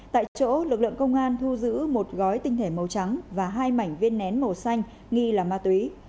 tại chỗ lực lượng công an thu giữ một gói tinh thể màu trắng và hai mảnh viên nén màu xanh nghi là ma túy